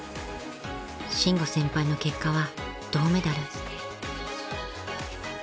［伸吾先輩の結果は銅メダル］